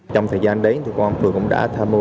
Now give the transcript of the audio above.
trong thời gian đấy thì công an phường cũng đã tham mô